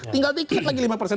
tinggal tiket lagi lima persen